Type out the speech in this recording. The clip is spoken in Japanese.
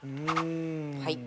はい。